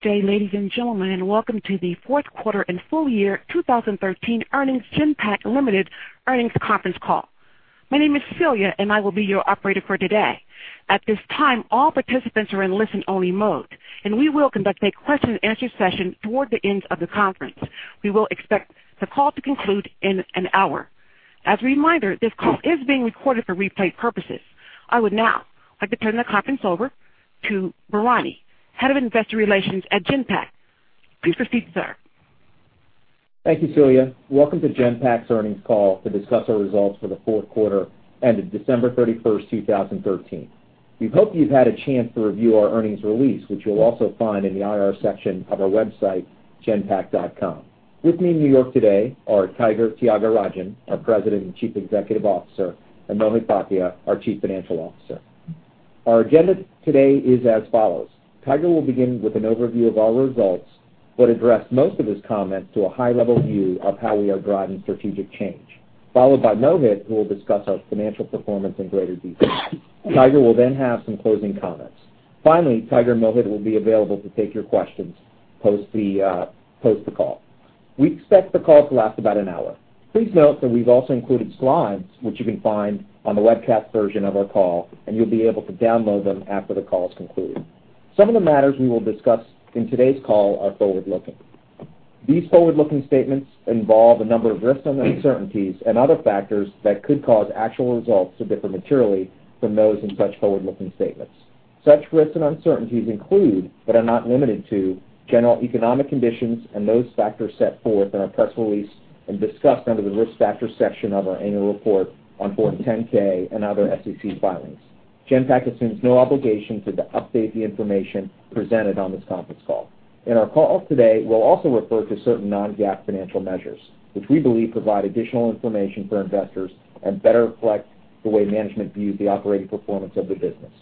Good day, ladies and gentlemen, and welcome to the fourth quarter and full year 2013 earnings Genpact Limited earnings conference call. My name is Celia, and I will be your operator for today. At this time, all participants are in listen-only mode, and we will conduct a question and answer session toward the end of the conference. We will expect the call to conclude in an hour. As a reminder, this call is being recorded for replay purposes. I would now like to turn the conference over to Bharani, Head of Investor Relations at Genpact. Please proceed, sir. Thank you, Celia. Welcome to Genpact's earnings call to discuss our results for the fourth quarter and December 31st, 2013. We hope you've had a chance to review our earnings release, which you'll also find in the IR section of our website, genpact.com. With me in New York today are Tiger Tyagarajan, our President and Chief Executive Officer, and Mohit Bhatia, our Chief Financial Officer. Our agenda today is as follows. Tiger will begin with an overview of our results, but address most of his comments to a high-level view of how we are driving strategic change, followed by Mohit, who will discuss our financial performance in greater detail. Tiger will then have some closing comments. Finally, Tiger and Mohit will be available to take your questions post the call. We expect the call to last about an hour. Please note that we've also included slides, which you can find on the webcast version of our call, and you'll be able to download them after the call is concluded. Some of the matters we will discuss in today's call are forward-looking. These forward-looking statements involve a number of risks and uncertainties and other factors that could cause actual results to differ materially from those in such forward-looking statements. Such risks and uncertainties include, but are not limited to general economic conditions and those factors set forth in our press release and discussed under the Risk Factors section of our annual report on Form 10-K and other SEC filings. Genpact assumes no obligation to update the information presented on this conference call. In our call today, we'll also refer to certain non-GAAP financial measures, which we believe provide additional information for investors and better reflect the way management views the operating performance of the business.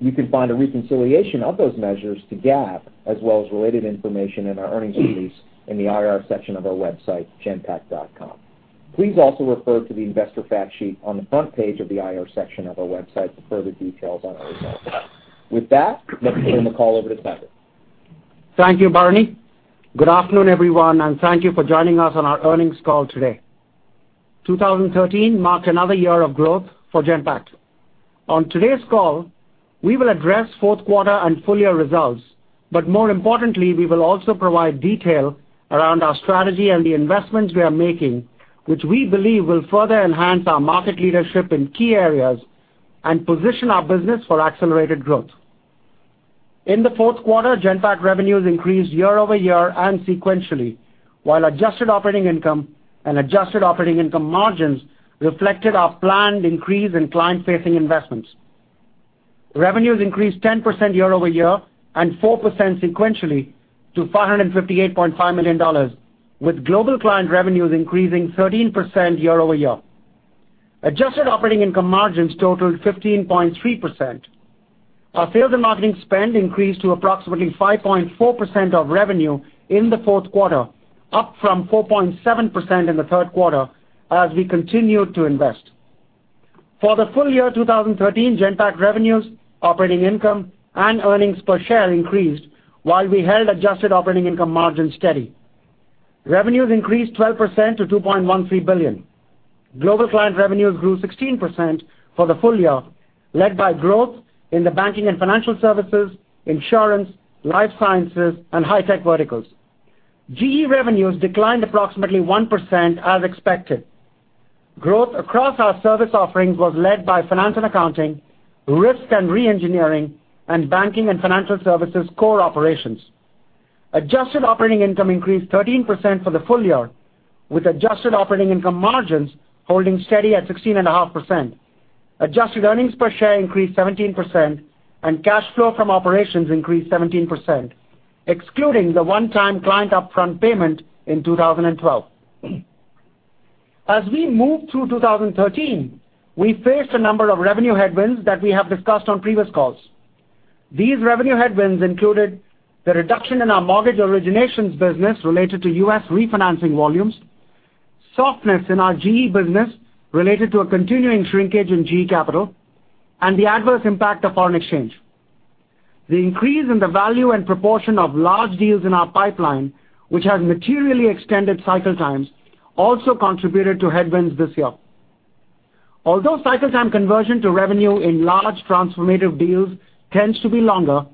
You can find a reconciliation of those measures to GAAP, as well as related information in our earnings release in the IR section of our website, genpact.com. Please also refer to the investor fact sheet on the front page of the IR section of our website for further details on our results. With that, let me turn the call over to Tiger. Thank you, Bharani. Good afternoon, everyone, and thank you for joining us on our earnings call today. 2013 marked another year of growth for Genpact. On today's call, we will address fourth quarter and full-year results. More importantly, we will also provide detail around our strategy and the investments we are making, which we believe will further enhance our market leadership in key areas and position our business for accelerated growth. In the fourth quarter, Genpact revenues increased year-over-year and sequentially, while adjusted operating income and adjusted operating income margins reflected our planned increase in client-facing investments. Revenues increased 10% year-over-year and 4% sequentially to $558.5 million, with global client revenues increasing 13% year-over-year. Adjusted operating income margins totaled 15.3%. Our sales and marketing spend increased to approximately 5.4% of revenue in the fourth quarter, up from 4.7% in the third quarter, as we continued to invest. For the full year 2013 Genpact revenues, operating income, and earnings per share increased while we held adjusted operating income margins steady. Revenues increased 12% to $2.13 billion. Global client revenues grew 16% for the full year, led by growth in the banking and financial services, insurance, life sciences, and high-tech verticals. GE revenues declined approximately 1% as expected. Growth across our service offerings was led by finance and accounting, risk and re-engineering, and banking and financial services core operations. Adjusted operating income increased 13% for the full year, with adjusted operating income margins holding steady at 16.5%. Adjusted earnings per share increased 17%, and cash flow from operations increased 17%, excluding the one-time client upfront payment in 2012. As we moved through 2013, we faced a number of revenue headwinds that we have discussed on previous calls. These revenue headwinds included the reduction in our mortgage originations business related to U.S. refinancing volumes, softness in our GE business related to a continuing shrinkage in GE Capital, and the adverse impact of foreign exchange. The increase in the value and proportion of large deals in our pipeline, which has materially extended cycle times, also contributed to headwinds this year. Although cycle time conversion to revenue in large transformative deals tends to be longer,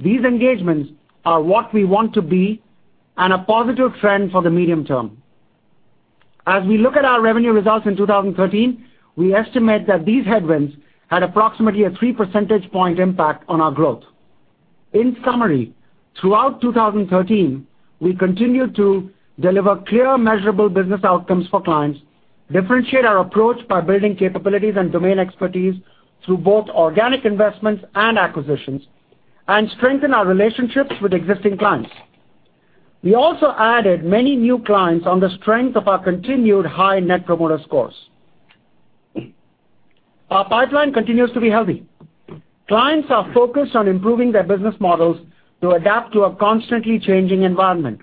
these engagements are what we want to be and a positive trend for the medium term. As we look at our revenue results in 2013, we estimate that these headwinds had approximately a three percentage point impact on our growth. In summary, throughout 2013, we continued to deliver clear, measurable business outcomes for clients, differentiate our approach by building capabilities and domain expertise through both organic investments and acquisitions, and strengthen our relationships with existing clients. We also added many new clients on the strength of our continued high Net Promoter Scores. Our pipeline continues to be healthy. Clients are focused on improving their business models to adapt to a constantly changing environment.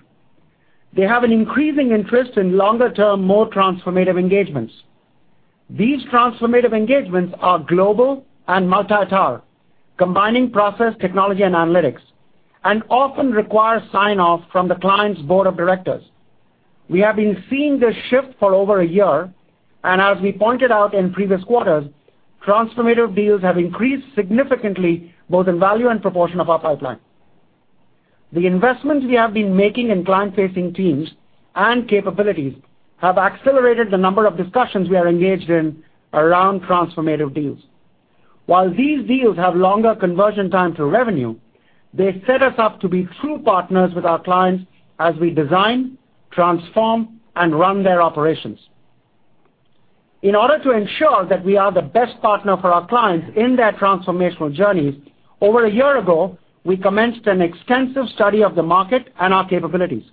They have an increasing interest in longer-term, more transformative engagements. These transformative engagements are global and multi-tower, combining process, technology, and analytics, and often require sign-off from the client's board of directors. We have been seeing this shift for over a year, and as we pointed out in previous quarters, transformative deals have increased significantly both in value and proportion of our pipeline. The investments we have been making in client-facing teams and capabilities have accelerated the number of discussions we are engaged in around transformative deals. While these deals have longer conversion time to revenue, they set us up to be true partners with our clients as we design, transform, and run their operations. In order to ensure that we are the best partner for our clients in their transformational journeys, over a year ago, we commenced an extensive study of the market and our capabilities.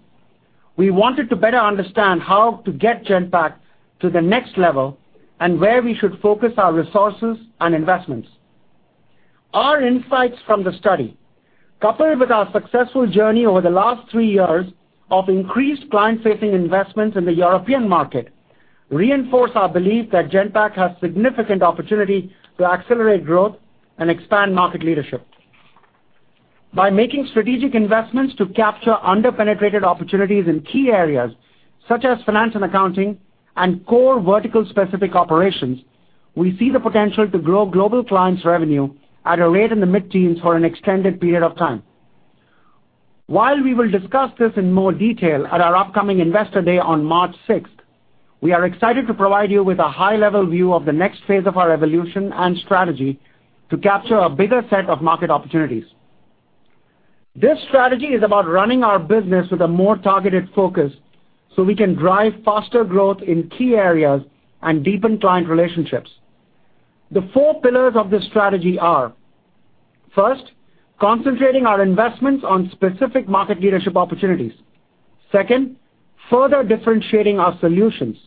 We wanted to better understand how to get Genpact to the next level and where we should focus our resources and investments. Our insights from the study, coupled with our successful journey over the last three years of increased client-facing investments in the European market, reinforce our belief that Genpact has significant opportunity to accelerate growth and expand market leadership. By making strategic investments to capture under-penetrated opportunities in key areas such as finance and accounting and core vertical-specific operations, we see the potential to grow global clients' revenue at a rate in the mid-teens for an extended period of time. While we will discuss this in more detail at our upcoming Investor Day on March 6th, we are excited to provide you with a high-level view of the next phase of our evolution and strategy to capture a bigger set of market opportunities. This strategy is about running our business with a more targeted focus so we can drive faster growth in key areas and deepen client relationships. The four pillars of this strategy are, first, concentrating our investments on specific market leadership opportunities. Second, further differentiating our solutions.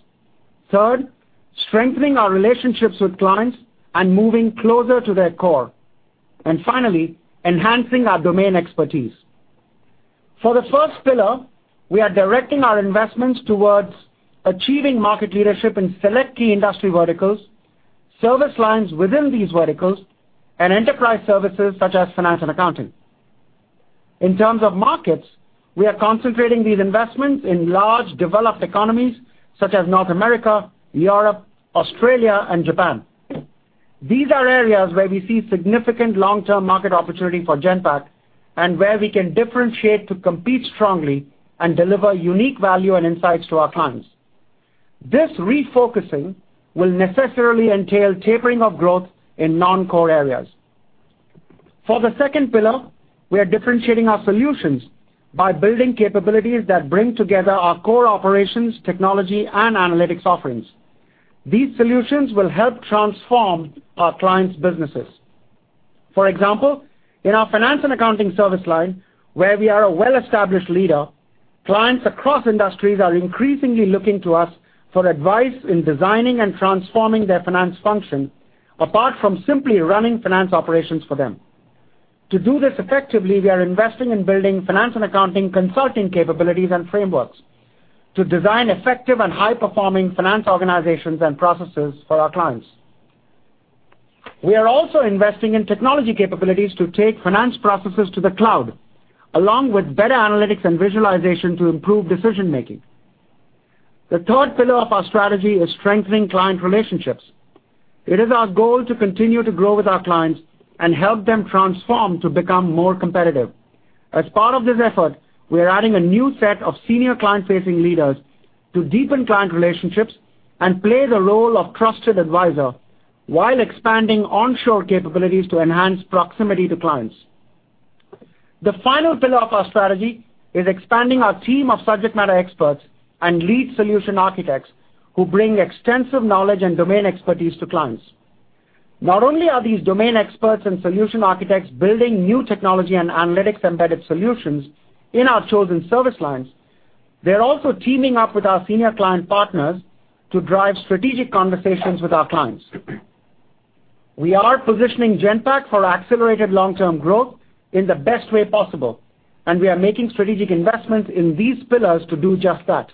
Third, strengthening our relationships with clients and moving closer to their core. Finally, enhancing our domain expertise. For the first pillar, we are directing our investments towards achieving market leadership in select key industry verticals, service lines within these verticals, and enterprise services such as finance and accounting. In terms of markets, we are concentrating these investments in large, developed economies such as North America, Europe, Australia, and Japan. These are areas where we see significant long-term market opportunity for Genpact and where we can differentiate to compete strongly and deliver unique value and insights to our clients. This refocusing will necessarily entail tapering of growth in non-core areas. For the second pillar, we are differentiating our solutions by building capabilities that bring together our core operations, technology, and analytics offerings. These solutions will help transform our clients' businesses. For example, in our finance and accounting service line, where we are a well-established leader, clients across industries are increasingly looking to us for advice in designing and transforming their finance function, apart from simply running finance operations for them. To do this effectively, we are investing in building finance and accounting consulting capabilities and frameworks to design effective and high-performing finance organizations and processes for our clients. We are also investing in technology capabilities to take finance processes to the cloud, along with better analytics and visualization to improve decision-making. The third pillar of our strategy is strengthening client relationships. It is our goal to continue to grow with our clients and help them transform to become more competitive. As part of this effort, we are adding a new set of senior client-facing leaders to deepen client relationships and play the role of trusted advisor while expanding onshore capabilities to enhance proximity to clients. The final pillar of our strategy is expanding our team of subject matter experts and lead solution architects who bring extensive knowledge and domain expertise to clients. Not only are these domain experts and solution architects building new technology and analytics-embedded solutions in our chosen service lines, they're also teaming up with our senior client partners to drive strategic conversations with our clients. We are positioning Genpact for accelerated long-term growth in the best way possible, and we are making strategic investments in these pillars to do just that.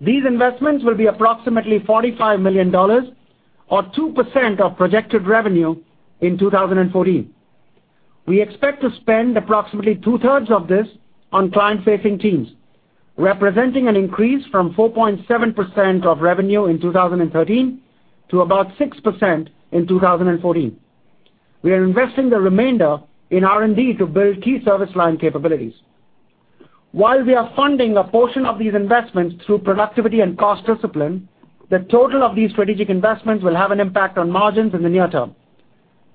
These investments will be approximately $45 million, or 2% of projected revenue in 2014. We expect to spend approximately two-thirds of this on client-facing teams, representing an increase from 4.7% of revenue in 2013 to about 6% in 2014. We are investing the remainder in R&D to build key service line capabilities. While we are funding a portion of these investments through productivity and cost discipline, the total of these strategic investments will have an impact on margins in the near term.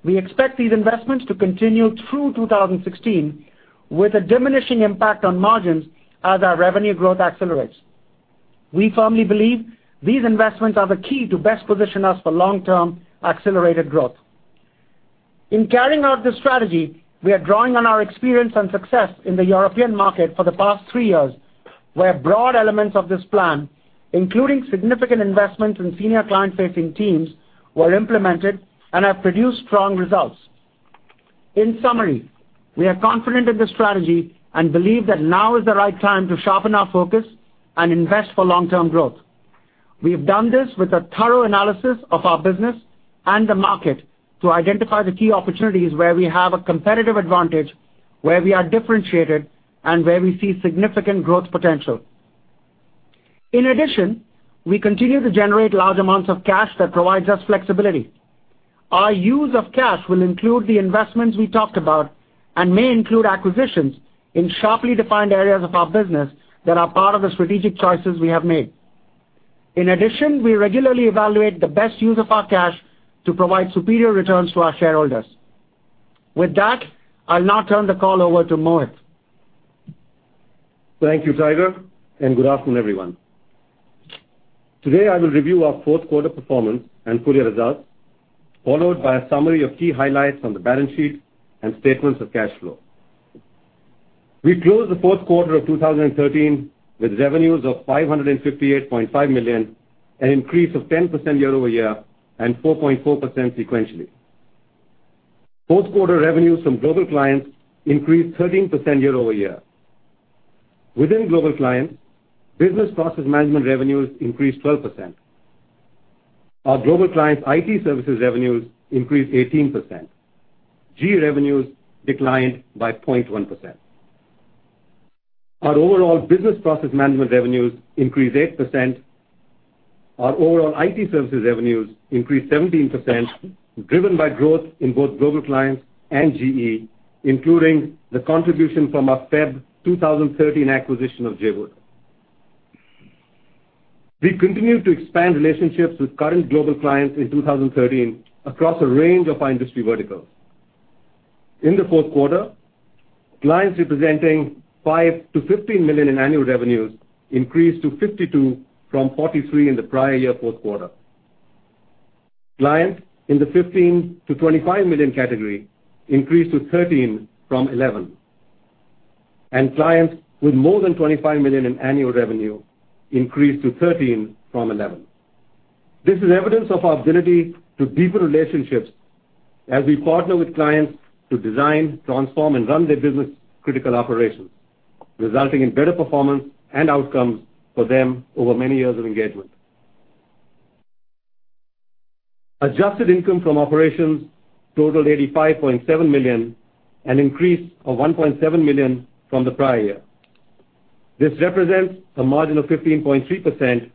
We expect these investments to continue through 2016 with a diminishing impact on margins as our revenue growth accelerates. We firmly believe these investments are the key to best position us for long-term accelerated growth. In carrying out this strategy, we are drawing on our experience and success in the European market for the past three years, where broad elements of this plan, including significant investments in senior client-facing teams, were implemented and have produced strong results. In summary, we are confident in this strategy and believe that now is the right time to sharpen our focus and invest for long-term growth. We have done this with a thorough analysis of our business and the market to identify the key opportunities where we have a competitive advantage, where we are differentiated, and where we see significant growth potential. In addition, we continue to generate large amounts of cash that provides us flexibility. Our use of cash will include the investments we talked about and may include acquisitions in sharply defined areas of our business that are part of the strategic choices we have made. In addition, we regularly evaluate the best use of our cash to provide superior returns to our shareholders. With that, I'll now turn the call over to Mohit. Thank you, Tiger, and good afternoon, everyone. Today, I will review our fourth quarter performance and full year results, followed by a summary of key highlights on the balance sheet and statements of cash flow. We closed the fourth quarter of 2013 with revenues of $558.5 million, an increase of 10% year-over-year, and 4.4% sequentially. Fourth quarter revenues from global clients increased 13% year-over-year. Within global clients, business process management revenues increased 12%. Our global clients IT services revenues increased 18%. GE revenues declined by 0.1%. Our overall business process management revenues increased 8%. Our overall IT services revenues increased 17%, driven by growth in both global clients and GE, including the contribution from our February 2013 acquisition of JAWOOD. We continued to expand relationships with current global clients in 2013 across a range of industry verticals. In the fourth quarter, clients representing $5 million-$15 million in annual revenues increased to 52 from 43 in the prior year fourth quarter. Clients in the 15 million-25 million category increased to 13 from 11. Clients with more than $25 million in annual revenue increased to 13 from 11. This is evidence of our ability to deepen relationships as we partner with clients to design, transform, and run their business-critical operations, resulting in better performance and outcomes for them over many years of engagement. Adjusted income from operations totaled $85.7 million, an increase of $1.7 million from the prior year. This represents a margin of 15.3%,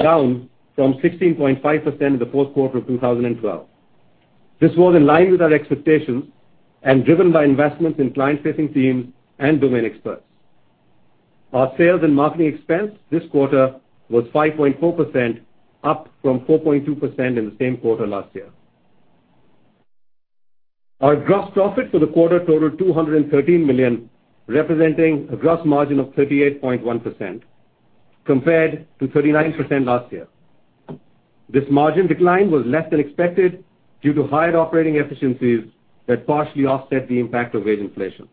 down from 16.5% in the fourth quarter of 2012. This was in line with our expectations and driven by investments in client-facing teams and domain experts. Our sales and marketing expense this quarter was 5.4%, up from 4.2% in the same quarter last year. Our gross profit for the quarter totaled $213 million, representing a gross margin of 38.1%, compared to 39% last year. This margin decline was less than expected due to higher operating efficiencies that partially offset the impact of wage inflation.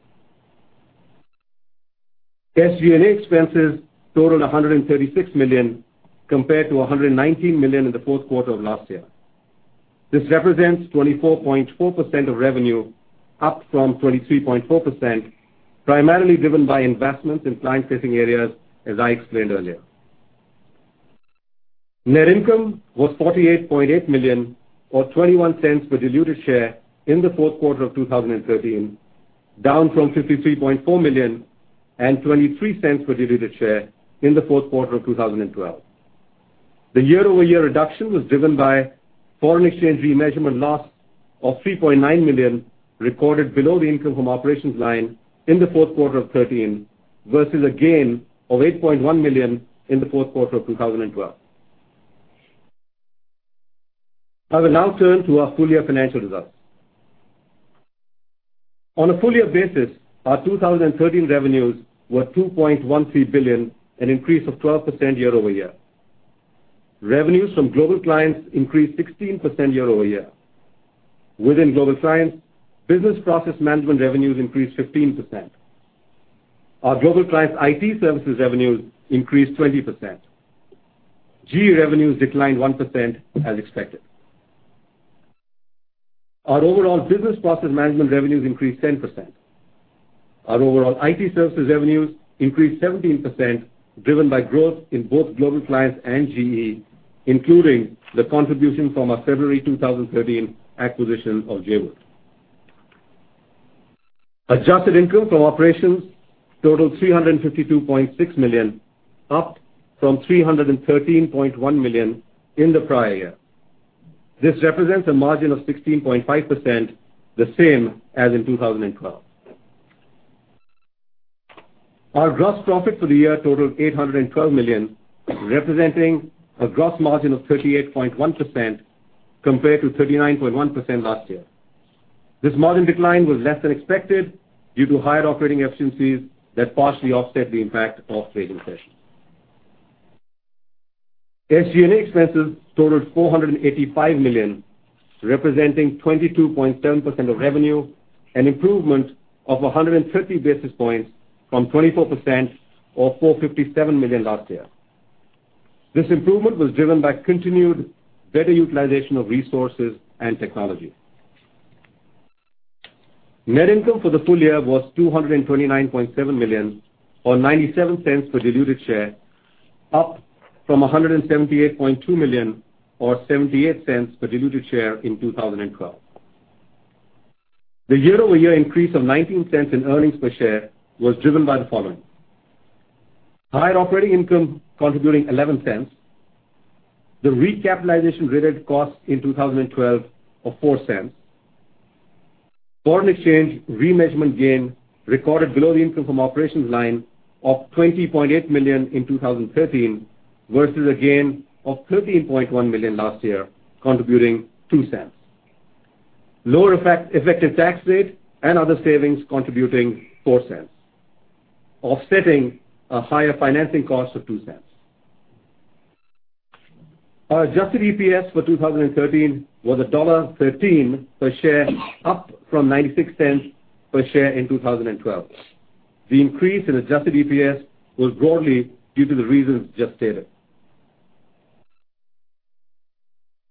SG&A expenses totaled $136 million, compared to $119 million in the fourth quarter of last year. This represents 24.4% of revenue, up from 23.4%, primarily driven by investments in client-facing areas, as I explained earlier. Net income was $48.8 million or $0.21 per diluted share in the fourth quarter of 2013, down from $53.4 million and $0.23 per diluted share in the fourth quarter of 2012. The year-over-year reduction was driven by foreign exchange remeasurement loss of $3.9 million recorded below the income from operations line in the fourth quarter of 2013 versus a gain of $8.1 million in the fourth quarter of 2012. I will now turn to our full-year financial results. On a full-year basis, our 2013 revenues were $2.13 billion, an increase of 12% year over year. Revenues from global clients increased 16% year over year. Within global clients, business process management revenues increased 15%. Our global clients IT services revenues increased 20%. GE revenues declined 1%, as expected. Our overall business process management revenues increased 10%. Our overall IT services revenues increased 17%, driven by growth in both global clients and GE, including the contribution from our February 2013 acquisition of JAWOOD. Adjusted income from operations totaled $352.6 million, up from $313.1 million in the prior year. This represents a margin of 16.5%, the same as in 2012. Our gross profit for the year totaled $812 million, representing a gross margin of 38.1% compared to 39.1% last year. This margin decline was less than expected due to higher operating efficiencies that partially offset the impact of wage inflation. SG&A expenses totaled $485 million, representing 22.7% of revenue, an improvement of 150 basis points from 24% or $457 million last year. This improvement was driven by continued better utilization of resources and technology. Net income for the full year was $229.7 million, or $0.97 per diluted share, up from $178.2 million or $0.78 per diluted share in 2012. The year-over-year increase of $0.19 in earnings per share was driven by the following: higher operating income contributing $0.11, the recapitalization related costs in 2012 of $0.04, foreign exchange remeasurement gain recorded below the income from operations line of $20.8 million in 2013 versus a gain of $13.1 million last year, contributing $0.02. Lower effective tax rate and other savings contributing $0.04, offsetting a higher financing cost of $0.02. Our adjusted EPS for 2013 was $1.13 per share, up from $0.96 per share in 2012. The increase in adjusted EPS was broadly due to the reasons just stated.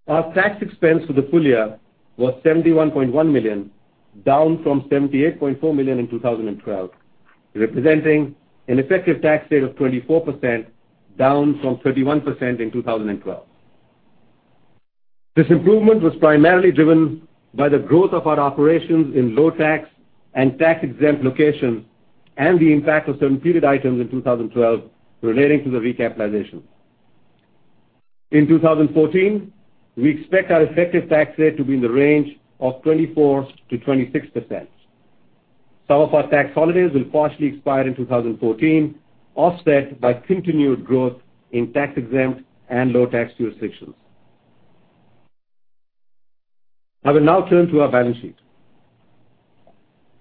Our tax expense for the full year was $71.1 million, down from $78.4 million in 2012, representing an effective tax rate of 24%, down from 31% in 2012. This improvement was primarily driven by the growth of our operations in low tax and tax-exempt locations and the impact of certain period items in 2012 relating to the recapitalization. In 2014, we expect our effective tax rate to be in the range of 24%-26%. Some of our tax holidays will partially expire in 2014, offset by continued growth in tax-exempt and low-tax jurisdictions. I will now turn to our balance sheet.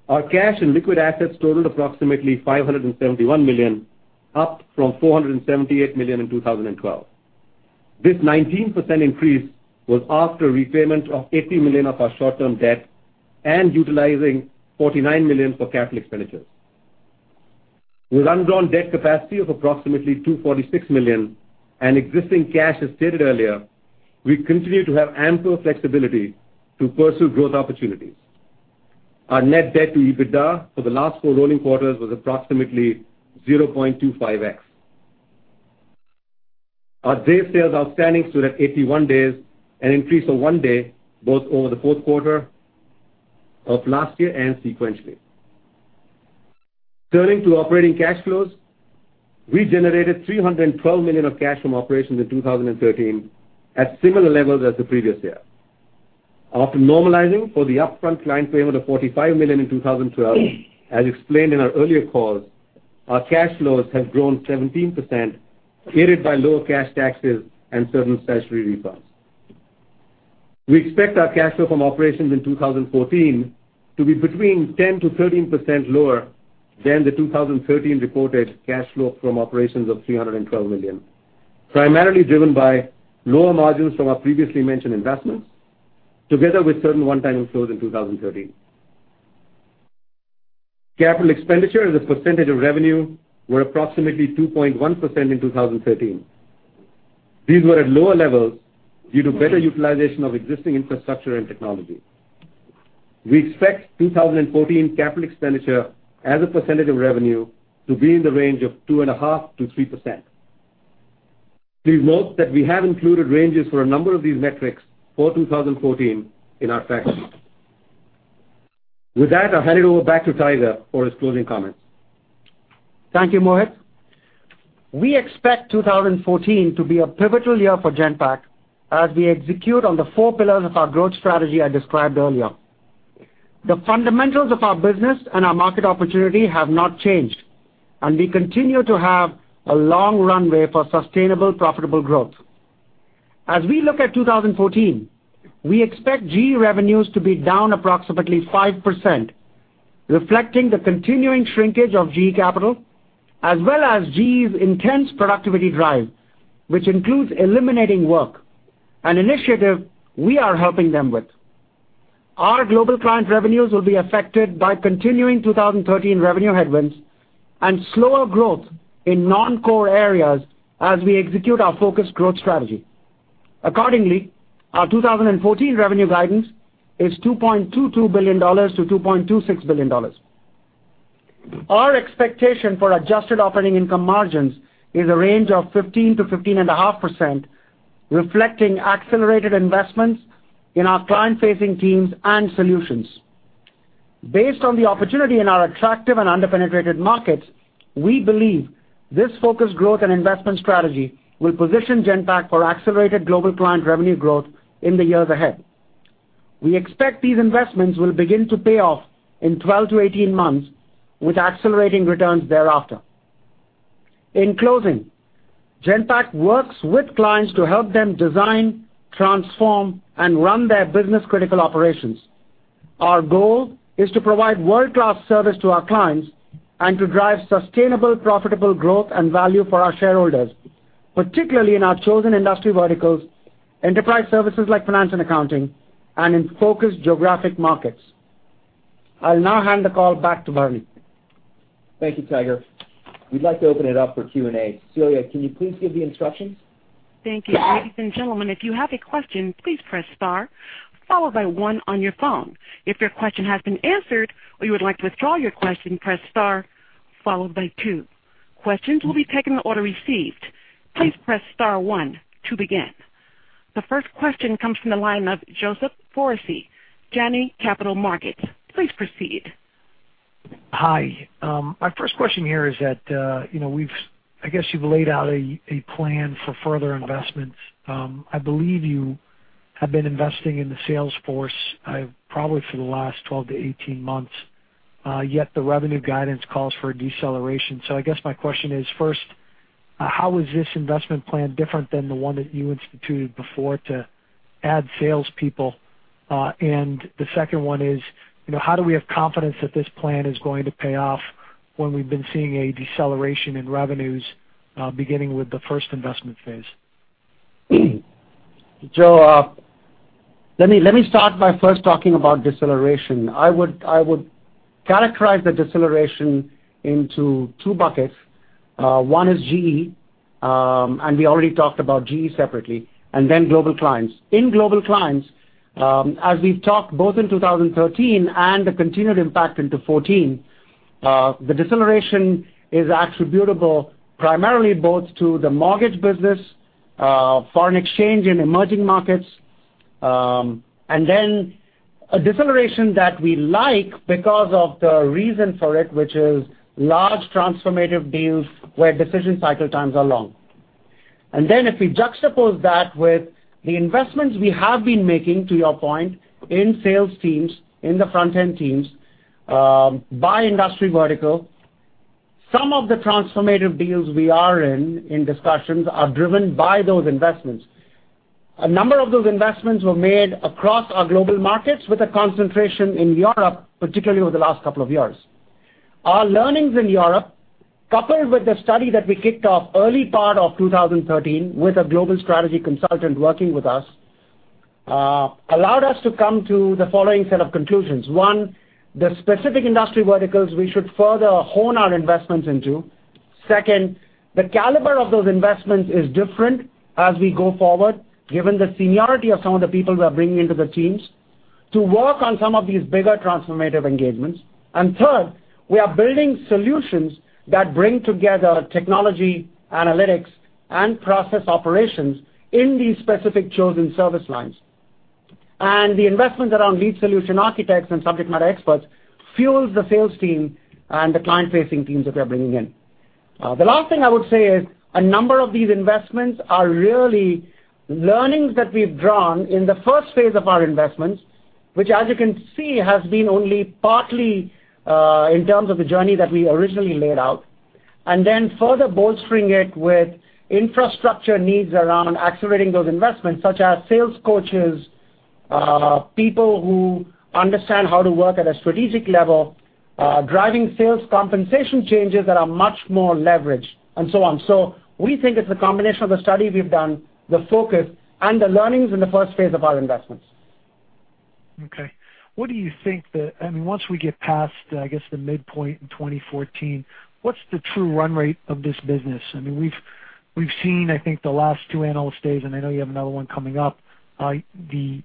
Our cash and liquid assets totaled approximately $571 million, up from $478 million in 2012. This 19% increase was after repayment of $80 million of our short-term debt and utilizing $49 million for capital expenditures. With undrawn debt capacity of approximately $246 million and existing cash, as stated earlier, we continue to have ample flexibility to pursue growth opportunities. Our net debt to EBITDA for the last four rolling quarters was approximately 0.25x. Our days sales outstanding stood at 81 days, an increase of one day, both over the fourth quarter of last year and sequentially. Turning to operating cash flows, we generated $312 million of cash from operations in 2013 at similar levels as the previous year. After normalizing for the upfront client payment of $45 million in 2012, as explained in our earlier calls, our cash flows have grown 17%, aided by lower cash taxes and certain statutory refunds. We expect our cash flow from operations in 2014 to be between 10%-13% lower than the 2013 reported cash flow from operations of $312 million, primarily driven by lower margins from our previously mentioned investments, together with certain one-time inflows in 2013. Capital expenditure as a percentage of revenue were approximately 2.1% in 2013. These were at lower levels due to better utilization of existing infrastructure and technology. We expect 2014 capital expenditure as a percentage of revenue to be in the range of 2.5%-3%. Please note that we have included ranges for a number of these metrics for 2014 in our fact sheet. With that, I'll hand it over back to Tiger for his closing comments. Thank you, Mohit. We expect 2014 to be a pivotal year for Genpact as we execute on the four pillars of our growth strategy I described earlier. The fundamentals of our business and our market opportunity have not changed, and we continue to have a long runway for sustainable, profitable growth. As we look at 2014, we expect GE revenues to be down approximately 5%, reflecting the continuing shrinkage of GE Capital, as well as GE's intense productivity drive, which includes eliminating work, an initiative we are helping them with. Our global client revenues will be affected by continuing 2013 revenue headwinds and slower growth in non-core areas as we execute our focused growth strategy. Accordingly, our 2014 revenue guidance is $2.22 billion-$2.26 billion. Our expectation for adjusted operating income margins is a range of 15%-15.5%, reflecting accelerated investments in our client-facing teams and solutions. Based on the opportunity in our attractive and under-penetrated markets, we believe this focused growth and investment strategy will position Genpact for accelerated global client revenue growth in the years ahead. We expect these investments will begin to pay off in 12-18 months with accelerating returns thereafter. In closing, Genpact works with clients to help them design, transform, and run their business-critical operations. Our goal is to provide world-class service to our clients and to drive sustainable, profitable growth and value for our shareholders, particularly in our chosen industry verticals, enterprise services like finance and accounting, and in focused geographic markets. I'll now hand the call back to Bharani. Thank you, Tiger. We'd like to open it up for Q&A. Celia, can you please give the instructions? Thank you. Ladies and gentlemen, if you have a question, please press star, followed by one on your phone. If your question has been answered or you would like to withdraw your question, press star, followed by two. Questions will be taken in the order received. Please press star one to begin. The first question comes from the line of Joseph Foresi, Janney Capital Markets. Please proceed. Hi. My first question here is that, I guess you've laid out a plan for further investments. I believe you have been investing in the sales force, probably for the last 12-18 months. Yet the revenue guidance calls for a deceleration. I guess my question is, first, how is this investment plan different than the one that you instituted before to add salespeople? The second one is, how do we have confidence that this plan is going to pay off when we've been seeing a deceleration in revenues, beginning with the first investment phase? Joe, let me start by first talking about deceleration. I would characterize the deceleration into two buckets. One is GE, and we already talked about GE separately, and then global clients. In global clients, as we've talked both in 2013 and the continued impact into 2014, the deceleration is attributable primarily both to the mortgage business, foreign exchange in emerging markets, and then a deceleration that we like because of the reason for it, which is large transformative deals where decision cycle times are long. If we juxtapose that with the investments we have been making, to your point, in sales teams, in the front-end teams, by industry vertical, some of the transformative deals we are in discussions, are driven by those investments. A number of those investments were made across our global markets with a concentration in Europe, particularly over the last couple of years. Our learnings in Europe, coupled with the study that we kicked off early part of 2013 with a global strategy consultant working with us, allowed us to come to the following set of conclusions. One, the specific industry verticals we should further hone our investments into. Second, the caliber of those investments is different as we go forward, given the seniority of some of the people we are bringing into the teams to work on some of these bigger transformative engagements. Third, we are building solutions that bring together technology, analytics, and process operations in these specific chosen service lines. The investments around lead solution architects and subject matter experts fuels the sales team and the client-facing teams that we are bringing in. The last thing I would say is a number of these investments are really learnings that we've drawn in the first phase of our investments, which as you can see, has been only partly in terms of the journey that we originally laid out. Further bolstering it with infrastructure needs around accelerating those investments, such as sales coaches, people who understand how to work at a strategic level, driving sales compensation changes that are much more leveraged, and so on. We think it's a combination of the study we've done, the focus, and the learnings in the first phase of our investments. Okay. What do you think that, once we get past, I guess, the midpoint in 2014, what's the true run rate of this business? We've seen, I think, the last two analyst days, and I know you have another one coming up. The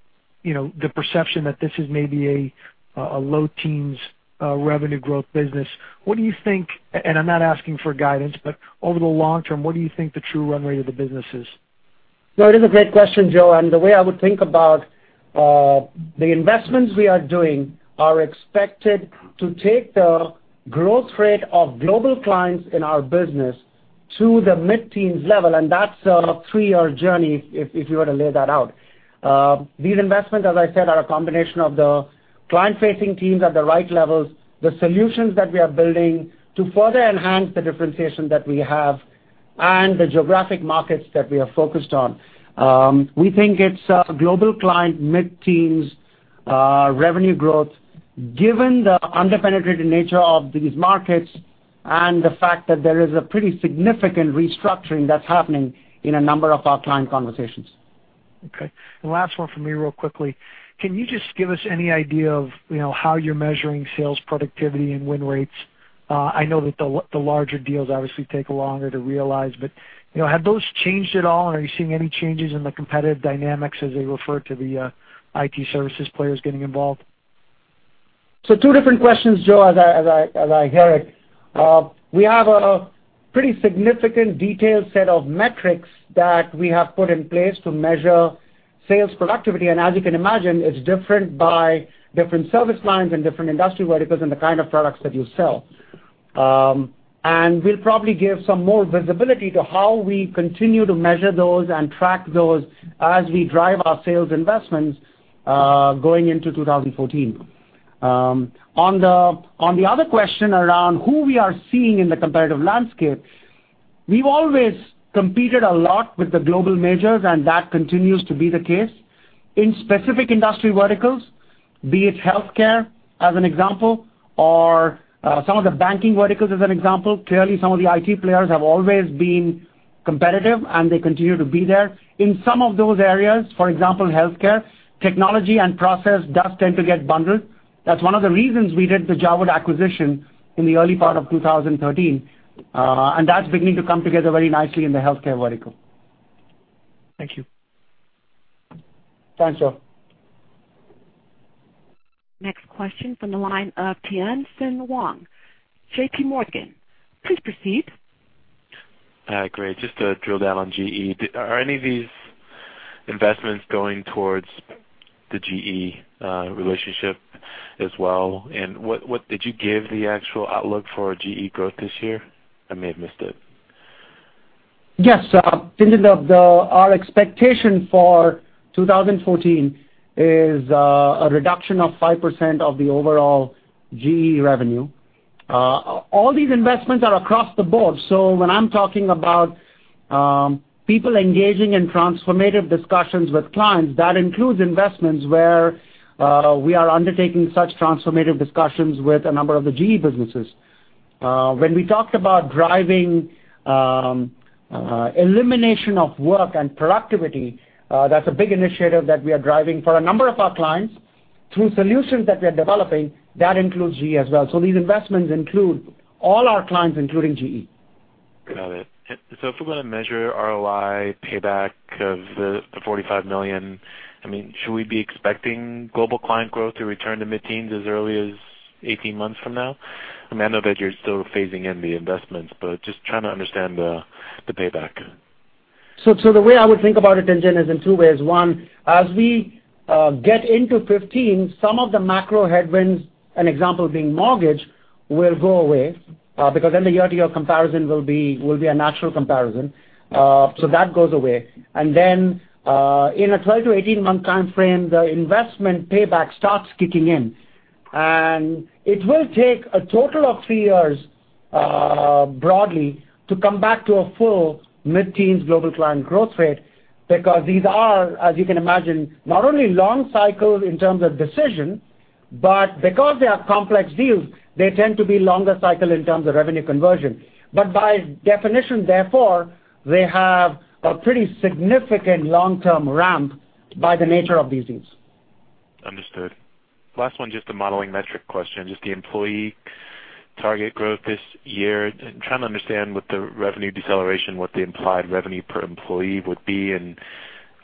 perception that this is maybe a low teens revenue growth business. What do you think, and I'm not asking for guidance, but over the long term, what do you think the true run rate of the business is? No, it is a great question, Joe, and the way I would think about the investments we are doing are expected to take the growth rate of global clients in our business to the mid-teens level, and that's a three-year journey if you were to lay that out. These investments, as I said, are a combination of the client-facing teams at the right levels, the solutions that we are building to further enhance the differentiation that we have, and the geographic markets that we are focused on. We think it's a global client, mid-teens revenue growth, given the under-penetrated nature of these markets and the fact that there is a pretty significant restructuring that's happening in a number of our client conversations. Okay. Last one from me real quickly. Can you just give us any idea of how you're measuring sales productivity and win rates? I know that the larger deals obviously take longer to realize, but have those changed at all? Are you seeing any changes in the competitive dynamics as they refer to the IT services players getting involved? Two different questions, Joe, as I hear it. We have a pretty significant detailed set of metrics that we have put in place to measure sales productivity, and as you can imagine, it's different by different service lines and different industry verticals and the kind of products that you sell. We'll probably give some more visibility to how we continue to measure those and track those as we drive our sales investments, going into 2014. On the other question around who we are seeing in the competitive landscape, we've always competed a lot with the global majors, and that continues to be the case. In specific industry verticals, be it healthcare, as an example, or some of the banking verticals as an example. Clearly, some of the IT players have always been competitive, and they continue to be there. In some of those areas, for example, healthcare, technology and process does tend to get bundled. That's one of the reasons we did the JAWOOD acquisition in the early part of 2013, and that's beginning to come together very nicely in the healthcare vertical. Thank you. Thanks, Joe. Next question from the line of Tien-Tsin Huang, JPMorgan. Please proceed. Hi. Great. Just to drill down on GE. Are any of these investments going towards the GE relationship as well? Did you give the actual outlook for GE growth this year? I may have missed it. Yes, Tien-Tsin, our expectation for 2014 is a reduction of 5% of the overall GE revenue. All these investments are across the board. When I'm talking about people engaging in transformative discussions with clients, that includes investments where we are undertaking such transformative discussions with a number of the GE businesses. When we talked about driving elimination of work and productivity, that's a big initiative that we are driving for a number of our clients through solutions that we are developing. That includes GE as well. These investments include all our clients, including GE. Got it. If we're going to measure ROI payback of the $45 million, should we be expecting global client growth to return to mid-teens as early as 18 months from now? I know that you're still phasing in the investments, but just trying to understand the payback. The way I would think about it, Tien-Tsin, is in two ways. One, as we get into 2015, some of the macro headwinds, an example being mortgage, will go away, because then the year-to-year comparison will be a natural comparison. That goes away. In a 12 to 18-month timeframe, the investment payback starts kicking in. It will take a total of three years, broadly, to come back to a full mid-teens global client growth rate because these are, as you can imagine, not only long cycle in terms of decision, but because they are complex deals, they tend to be longer cycle in terms of revenue conversion. By definition, therefore, they have a pretty significant long-term ramp by the nature of these deals. Understood. Last one, just a modeling metric question. Just the employee target growth this year. Trying to understand what the revenue deceleration, what the implied revenue per employee would be.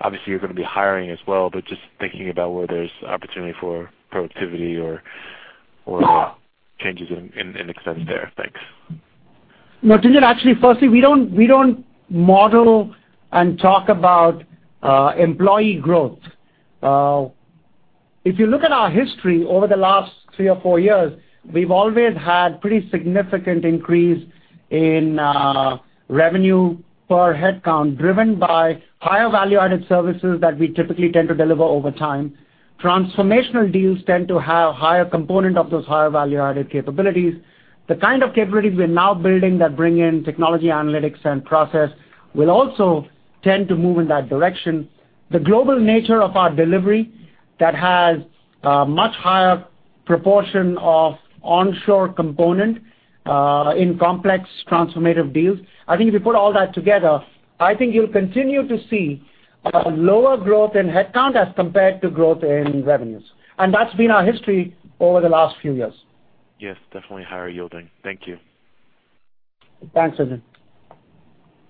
Obviously, you're going to be hiring as well, but just thinking about where there's opportunity for productivity or changes in acceptance there. Thanks. No, Tien-Tsin, actually, firstly, we don't model and talk about employee growth. If you look at our history over the last 3 or 4 years, we've always had pretty significant increase in revenue per headcount, driven by higher value-added services that we typically tend to deliver over time. Transformational deals tend to have higher component of those higher value-added capabilities. The kind of capabilities we're now building that bring in technology analytics and process will also tend to move in that direction. The global nature of our delivery that has a much higher proportion of onshore component, in complex transformative deals. I think if you put all that together, I think you'll continue to see a lower growth in headcount as compared to growth in revenues. That's been our history over the last few years. Yes, definitely higher yielding. Thank you. Thanks, Tien-Tsin.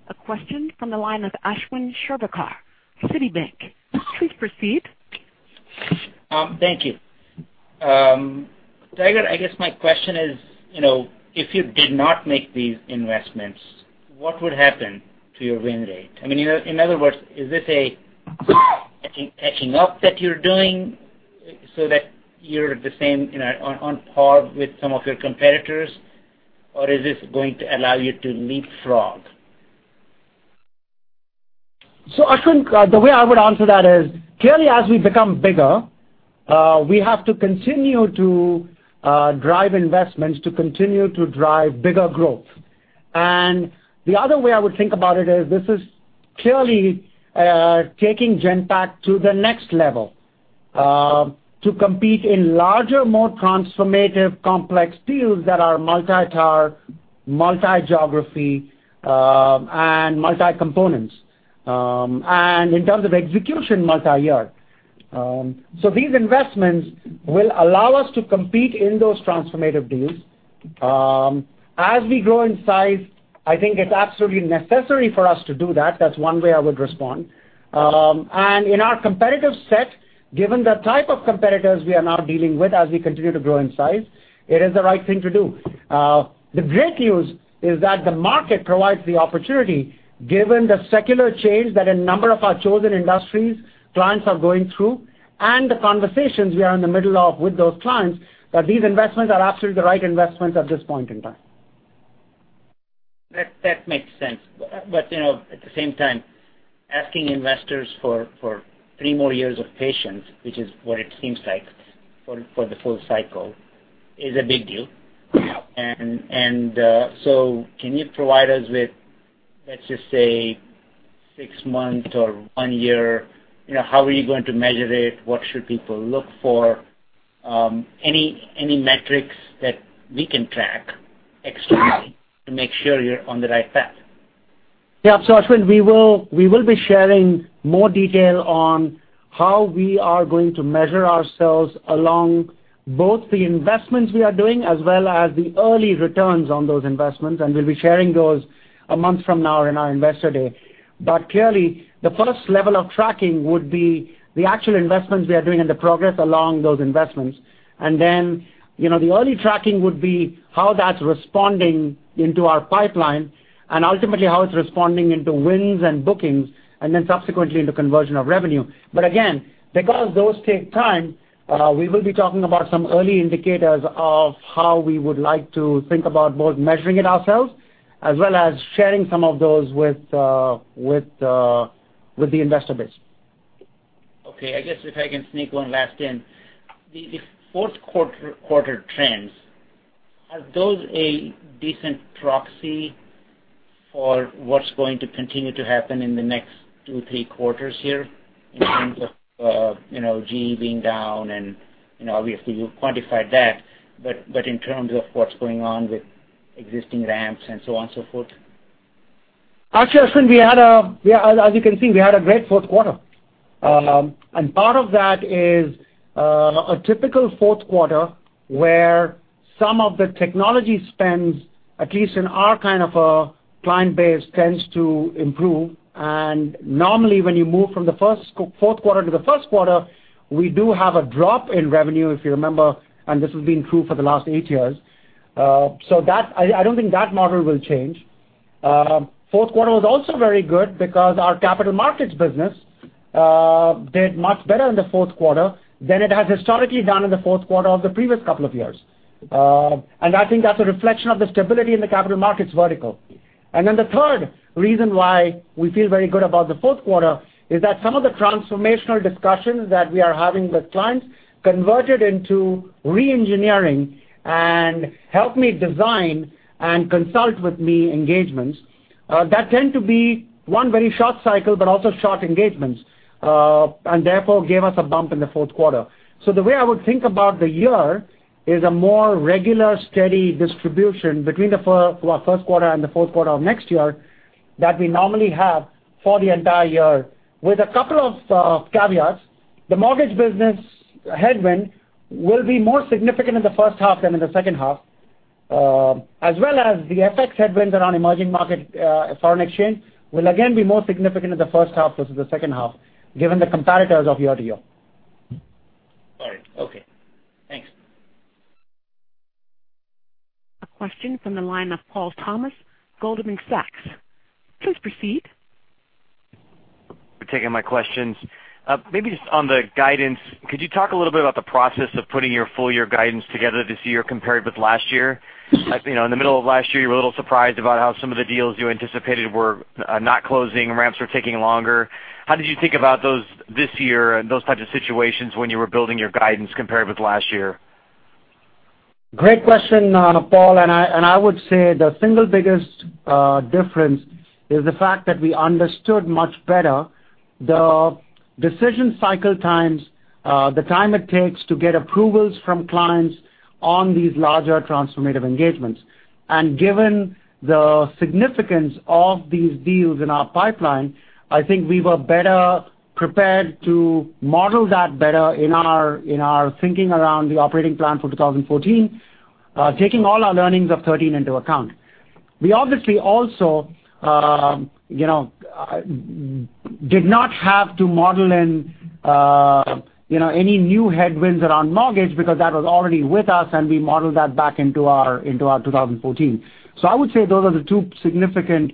A question from the line of Ashwin Shirvaikar, Citibank. Please proceed. Thank you. Tiger, I guess my question is, if you did not make these investments, what would happen to your win rate? In other words, is this a catching up that you're doing so that you're on par with some of your competitors, or is this going to allow you to leapfrog? Ashwin, the way I would answer that is, clearly as we become bigger, we have to continue to drive investments to continue to drive bigger growth. The other way I would think about it is, this is clearly taking Genpact to the next level, to compete in larger, more transformative complex deals that are multi-tier, multi-geography, and multi-components. In terms of execution, multi-year. These investments will allow us to compete in those transformative deals. As we grow in size, I think it's absolutely necessary for us to do that. That's one way I would respond. In our competitive set, given the type of competitors we are now dealing with as we continue to grow in size, it is the right thing to do. The great news is that the market provides the opportunity, given the secular change that a number of our chosen industries clients are going through and the conversations we are in the middle of with those clients, that these investments are absolutely the right investments at this point in time. That makes sense. At the same time, asking investors for three more years of patience, which is what it seems like for the full cycle, is a big deal. Can you provide us with, let's just say- six months or one year, how are you going to measure it? What should people look for? Any metrics that we can track externally to make sure you're on the right path? Yeah. Ashwin, we will be sharing more detail on how we are going to measure ourselves along both the investments we are doing as well as the early returns on those investments, and we'll be sharing those a month from now in our investor day. Clearly, the first level of tracking would be the actual investments we are doing and the progress along those investments. Then, the early tracking would be how that's responding into our pipeline and ultimately how it's responding into wins and bookings, and then subsequently into conversion of revenue. Again, because those take time, we will be talking about some early indicators of how we would like to think about both measuring it ourselves as well as sharing some of those with the investor base. Okay. I guess if I can sneak one last in. The fourth quarter trends, are those a decent proxy for what's going to continue to happen in the next two, three quarters here in terms of GE being down, and obviously you've quantified that, but in terms of what's going on with existing ramps and so on and so forth? Actually, Ashwin, as you can see, we had a great fourth quarter. Part of that is a typical fourth quarter where some of the technology spends, at least in our kind of a client base, tends to improve. Normally when you move from the fourth quarter to the first quarter, we do have a drop in revenue, if you remember, and this has been true for the last eight years. I don't think that model will change. Fourth quarter was also very good because our capital markets business did much better in the fourth quarter than it has historically done in the fourth quarter of the previous couple of years. I think that's a reflection of the stability in the capital markets vertical. Then the third reason why we feel very good about the fourth quarter is that some of the transformational discussions that we are having with clients converted into re-engineering and help me design and consult with me engagements. That tend to be one very short cycle, but also short engagements, and therefore gave us a bump in the fourth quarter. The way I would think about the year is a more regular, steady distribution between the first quarter and the fourth quarter of next year that we normally have for the entire year, with a couple of caveats. The mortgage business headwind will be more significant in the first half than in the second half. As well as the FX headwinds around emerging market foreign exchange will again be more significant in the first half versus the second half, given the comparatives of year-over-year. All right. Okay. Thanks. A question from the line of Paul Thomas, Goldman Sachs. Please proceed. Thanks for taking my questions. Maybe just on the guidance, could you talk a little bit about the process of putting your full year guidance together this year compared with last year? In the middle of last year, you were a little surprised about how some of the deals you anticipated were not closing, ramps were taking longer. How did you think about those this year and those types of situations when you were building your guidance compared with last year? Great question, Paul, I would say the single biggest difference is the fact that we understood much better the decision cycle times, the time it takes to get approvals from clients on these larger transformative engagements. Given the significance of these deals in our pipeline, I think we were better prepared to model that better in our thinking around the operating plan for 2014, taking all our learnings of 2013 into account. We obviously also did not have to model in any new headwinds around mortgage because that was already with us, and we modeled that back into our 2014. I would say those are the two significant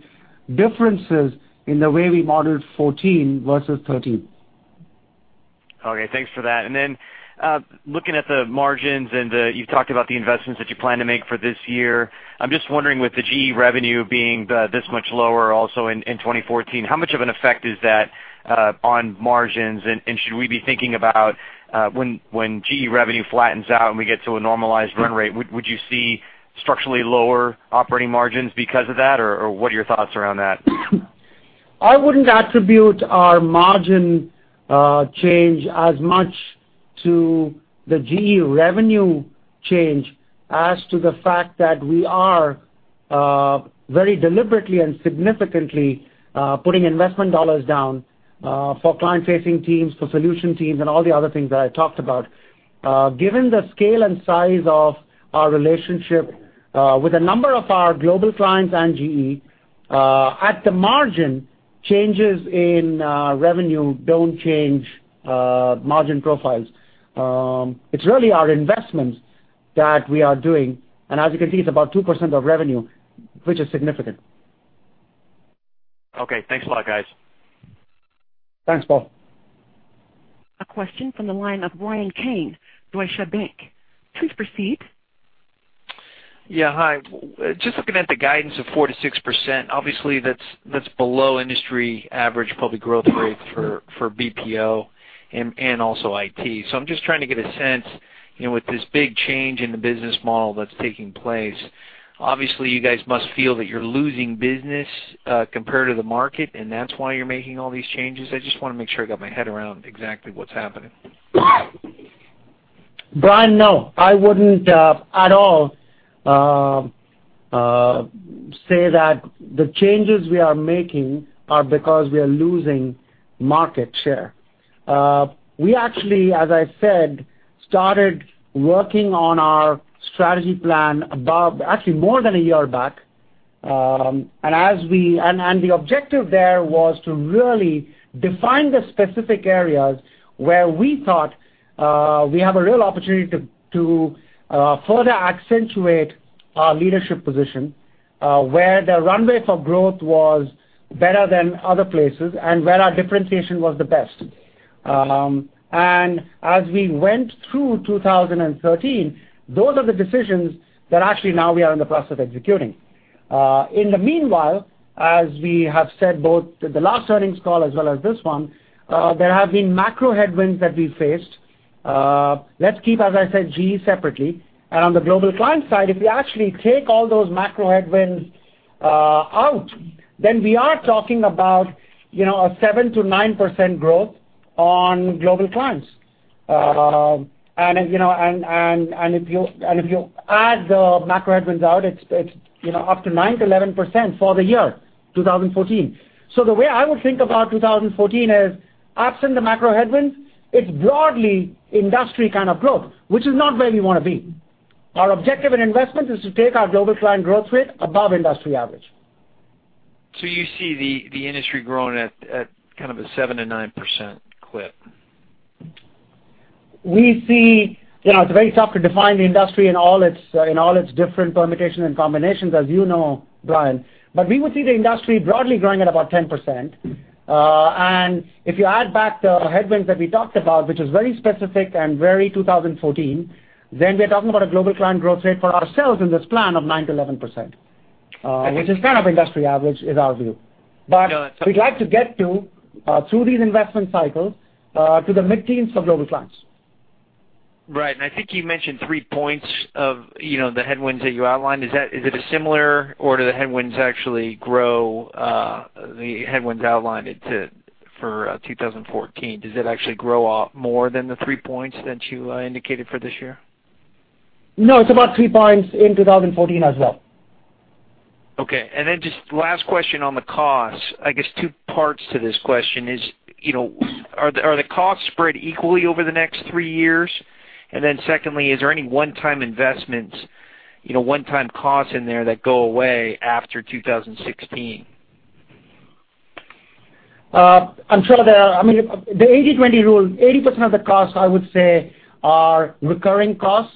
differences in the way we modeled 2014 versus 2013. Okay, thanks for that. Looking at the margins and you talked about the investments that you plan to make for this year, I'm just wondering with the GE revenue being this much lower also in 2014, how much of an effect is that on margins? Should we be thinking about when GE revenue flattens out and we get to a normalized run rate, would you see structurally lower operating margins because of that, or what are your thoughts around that? I wouldn't attribute our margin change as much to the GE revenue change as to the fact that we are very deliberately and significantly putting investment dollars down for client-facing teams, for solution teams, and all the other things that I talked about. Given the scale and size of our relationship with a number of our global clients and GE, at the margin, changes in revenue don't change margin profiles. It's really our investments that we are doing. As you can see, it's about 2% of revenue, which is significant. Okay. Thanks a lot, guys. Thanks, Paul. A question from the line of Bryan Keane, Deutsche Bank. Please proceed. Yeah, hi. Just looking at the guidance of 4%-6%, obviously that's below industry average public growth rate for BPO and also IT. I'm just trying to get a sense, with this big change in the business model that's taking place, obviously you guys must feel that you're losing business compared to the market, and that's why you're making all these changes. I just want to make sure I got my head around exactly what's happening. Bryan, no. I wouldn't at all say that the changes we are making are because we are losing market share. We actually, as I said, started working on our strategy plan above actually more than a year back. The objective there was to really define the specific areas where we thought, we have a real opportunity to further accentuate our leadership position, where the runway for growth was better than other places, and where our differentiation was the best. As we went through 2013, those are the decisions that actually now we are in the process of executing. In the meanwhile, as we have said both at the last earnings call as well as this one, there have been macro headwinds that we faced. Let's keep, as I said, GE separately. On the global client side, if we actually take all those macro headwinds out, we are talking about a 7%-9% growth on global clients. If you add the macro headwinds out, it's up to 9%-11% for the year 2014. The way I would think about 2014 is, absent the macro headwinds, it's broadly industry kind of growth, which is not where we want to be. Our objective in investment is to take our global client growth rate above industry average. You see the industry growing at kind of a 7%-9% clip. It's very tough to define the industry in all its different permutations and combinations, as you know, Bryan. We would see the industry broadly growing at about 10%. If you add back the headwinds that we talked about, which is very specific and very 2014, we are talking about a global client growth rate for ourselves in this plan of 9%-11%. Okay. Which is kind of industry average, is our view. No. We'd like to get to, through these investment cycles, to the mid-teens for global clients. Right. I think you mentioned 3 points of the headwinds that you outlined. Is it a similar, or do the headwinds actually grow, the headwinds outlined for 2014, does it actually grow more than the 3 points that you indicated for this year? No, it's about 3 points in 2014 as well. Okay. Then just last question on the cost, I guess two parts to this question is, are the costs spread equally over the next three years? Secondly, is there any one-time investments, one-time costs in there that go away after 2016? I'm sure there are. The 80-20 rule, 80% of the costs, I would say, are recurring costs.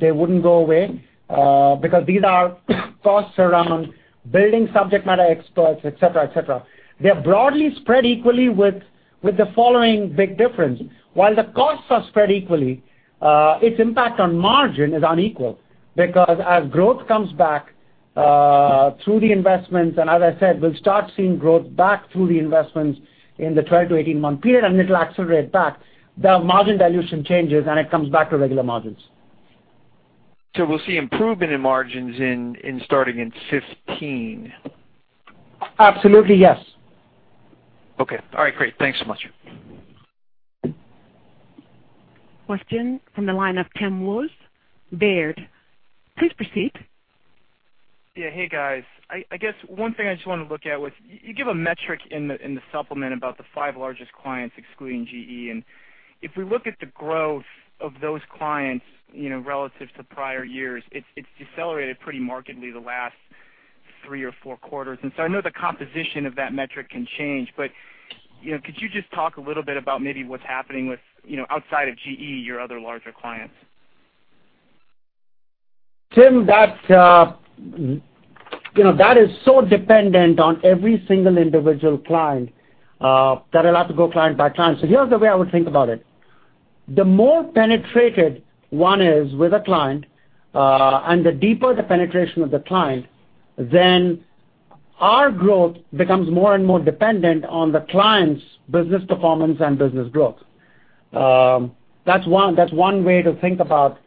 They wouldn't go away, because these are costs around building subject matter experts, et cetera. They're broadly spread equally with the following big difference. While the costs are spread equally, its impact on margin is unequal. As growth comes back, through the investments, and as I said, we'll start seeing growth back through the investments in the 12-18 month period, and it'll accelerate back. The margin dilution changes, and it comes back to regular margins. We'll see improvement in margins starting in 2015. Absolutely, yes. Okay. All right, great. Thanks so much. Question from the line of Tim [Wolf], Baird. Please proceed. Yeah. Hey, guys. I guess one thing I just want to look at was, you give a metric in the supplement about the five largest clients excluding GE, and if we look at the growth of those clients relative to prior years, it's decelerated pretty markedly the last three or four quarters. I know the composition of that metric can change, but could you just talk a little bit about maybe what's happening with, outside of GE, your other larger clients? Tim, that is so dependent on every single individual client, that I'll have to go client by client. Here's the way I would think about it. The more penetrated one is with a client, and the deeper the penetration of the client, then our growth becomes more and more dependent on the client's business performance and business growth. That's one way to think about.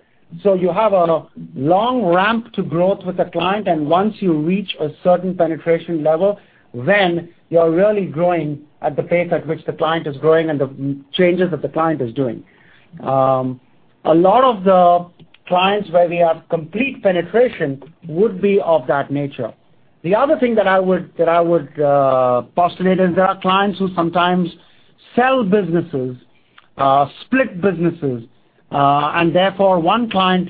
You have a long ramp to growth with a client, and once you reach a certain penetration level, then you're really growing at the pace at which the client is growing and the changes that the client is doing. A lot of the clients where we have complete penetration would be of that nature. The other thing that I would postulate is there are clients who sometimes sell businesses, split businesses, and therefore one client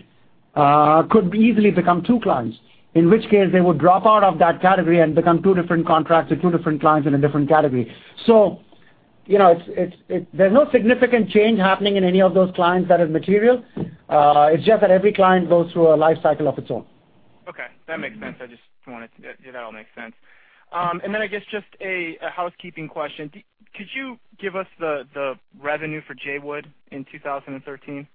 could easily become two clients, in which case they would drop out of that category and become two different contracts or two different clients in a different category. There's no significant change happening in any of those clients that is material. It's just that every client goes through a life cycle of its own. That makes sense. That all makes sense. I guess just a housekeeping question. Could you give us the revenue for JAWOOD in 2013?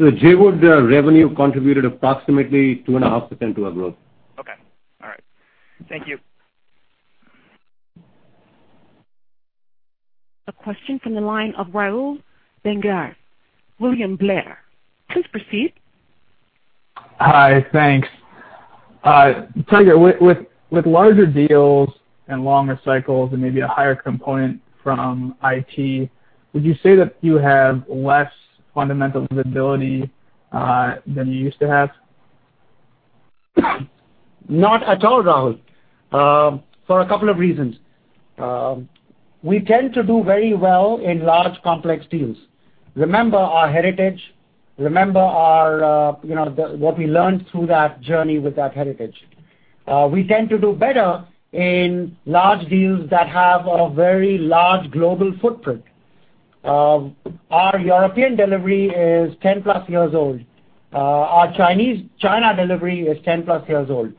JAWOOD, the revenue contributed approximately 2.5% to our growth. Okay. All right. Thank you. A question from the line of Rahul Bhangare, William Blair. Please proceed. Hi. Thanks. Tiger, with larger deals and longer cycles and maybe a higher component from IT, would you say that you have less fundamental visibility than you used to have? Not at all, Rahul. For a couple of reasons. We tend to do very well in large, complex deals. Remember our heritage, remember what we learned through that journey with that heritage. We tend to do better in large deals that have a very large global footprint. Our European delivery is 10-plus years old. Our China delivery is 10-plus years old.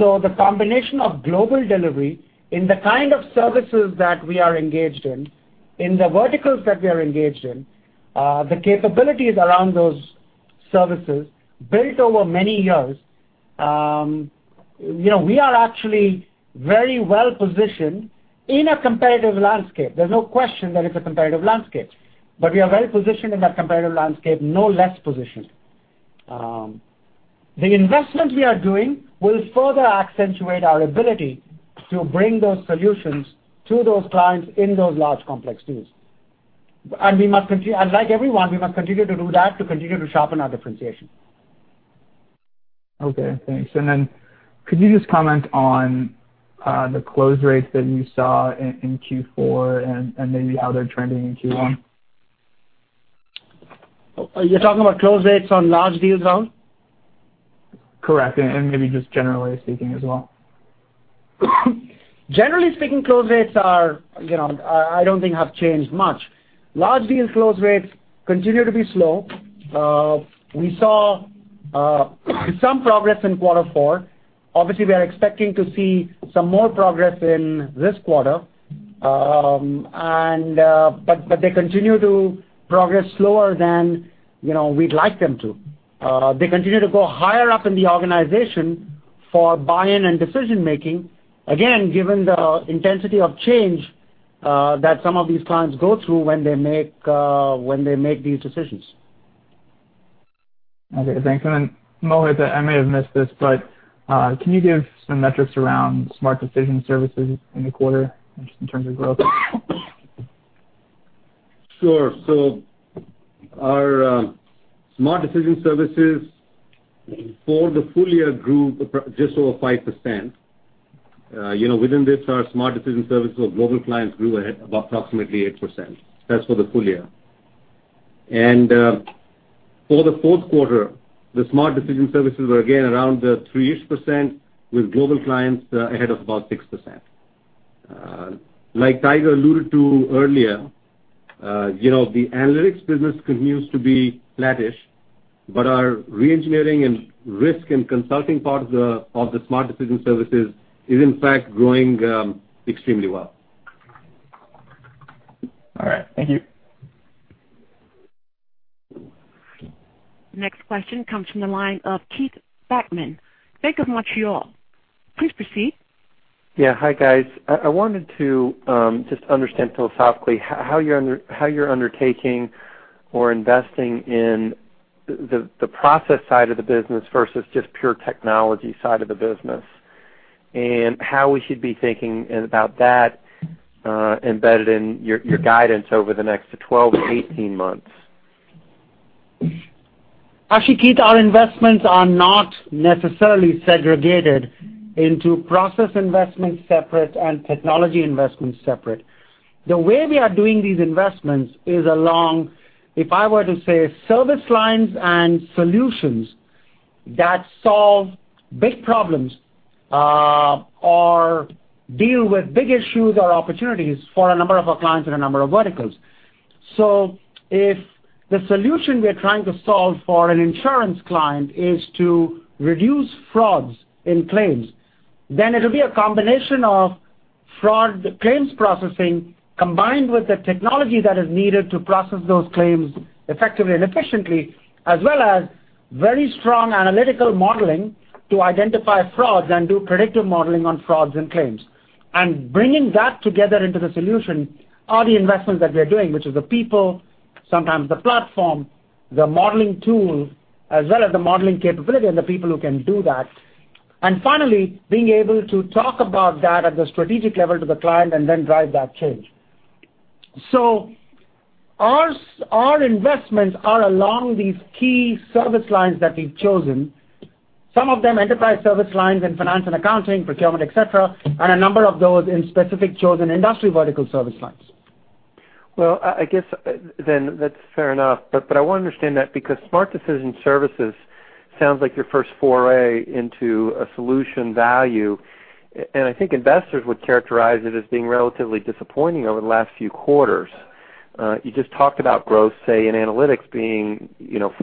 The combination of global delivery in the kind of services that we are engaged in the verticals that we are engaged in, the capabilities around those services built over many years. We are actually very well-positioned in a competitive landscape. There's no question that it's a competitive landscape, but we are very positioned in that competitive landscape, no less positioned. The investment we are doing will further accentuate our ability to bring those solutions to those clients in those large, complex deals. Like everyone, we must continue to do that, to continue to sharpen our differentiation. Okay, thanks. Could you just comment on the close rates that you saw in Q4 and maybe how they're trending in Q1? You're talking about close rates on large deals, Rahul? Correct. Maybe just generally speaking as well. Generally speaking, close rates, I don't think have changed much. Large deal close rates continue to be slow. We saw some progress in quarter four. Obviously, we are expecting to see some more progress in this quarter. They continue to progress slower than we'd like them to. They continue to go higher up in the organization for buy-in and decision-making, again, given the intensity of change, that some of these clients go through when they make these decisions. Okay. Thanks. Then, Mohit, I may have missed this, can you give some metrics around Smart Decision Services in the quarter just in terms of growth? Sure. Our Smart Decision Services for the full year grew just over 5%. Within this, our Smart Decision Services of global clients grew approximately 8%. That's for the full year. For the fourth quarter, the Smart Decision Services were again around the 3-ish percent, with global clients ahead of about 6%. Like Tiger alluded to earlier, the analytics business continues to be flattish, but our re-engineering and risk and consulting part of the Smart Decision Services is in fact growing extremely well. All right. Thank you. Next question comes from the line of Keith Bachman, BMO Capital Markets. Please proceed. Hi, guys. I wanted to just understand philosophically how you're undertaking or investing in the process side of the business versus just pure technology side of the business, and how we should be thinking about that, embedded in your guidance over the next 12 to 18 months. Actually, Keith, our investments are not necessarily segregated into process investments separate and technology investments separate. The way we are doing these investments is along, if I were to say, service lines and solutions that solve big problems, or deal with big issues or opportunities for a number of our clients in a number of verticals. If the solution we are trying to solve for an insurance client is to reduce frauds in claims, then it'll be a combination of fraud claims processing combined with the technology that is needed to process those claims effectively and efficiently, as well as very strong analytical modeling to identify frauds and do predictive modeling on frauds and claims. Bringing that together into the solution are the investments that we are doing, which is the people, sometimes the platform, the modeling tool, as well as the modeling capability and the people who can do that. Finally, being able to talk about that at the strategic level to the client and then drive that change. Our investments are along these key service lines that we've chosen. Some of them enterprise service lines and finance and accounting, procurement, et cetera, and a number of those in specific chosen industry vertical service lines. Well, I guess then that's fair enough, I want to understand that because Smart Decision Services sounds like your first foray into a solution value, and I think investors would characterize it as being relatively disappointing over the last few quarters. You just talked about growth, say, in analytics being